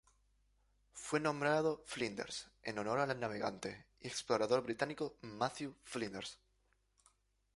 Fue nombrado Flinders en honor al navegante y explorador británico Matthew Flinders.